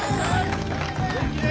元気で！